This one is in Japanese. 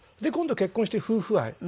で今度結婚して夫婦愛。